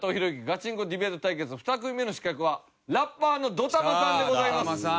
ガチンコディベート対決２組目の刺客はラッパーのＤＯＴＡＭＡさんでございます。